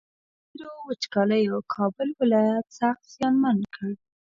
تېرو وچکالیو کابل ولایت سخت زیانمن کړ